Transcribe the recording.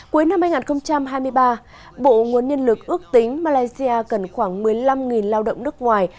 cuối năm hai nghìn hai mươi ba bộ nguồn nhân lực ước tính malaysia cần khoảng một mươi năm lao động nước ngoài